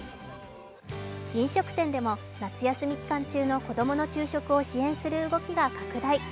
飲食店でも夏休み期間中の子供の昼食を支援する動きが拡大。